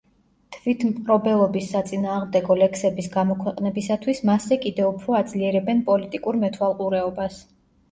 თვითმპყრობელობის საწინააღმდეგო ლექსების გამოქვეყნებისათვის მასზე კიდევ უფრო აძლიერებენ პოლიტიკურ მეთვალყურეობას.